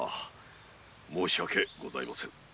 申し訳ございません。